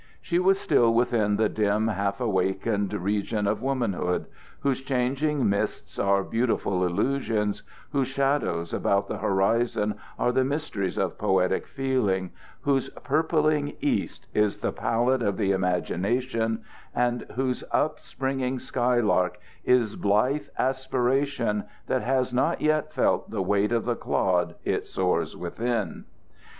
She was still within the dim, half awakened region of womanhood, whose changing mists are beautiful illusions, whose shadows about the horizon are the mysteries of poetic feeling, whose purpling east is the palette of the imagination, and whose upspringing skylark is blithe aspiration that has not yet felt the weight of the clod it soars within.